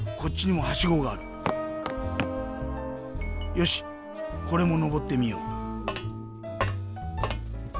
よしこれものぼってみよう。